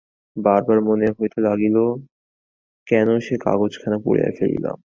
বারবার মনে হইতে লাগিল, কেন সে কাগজখানা পুড়াইয়া ফেলিলাম।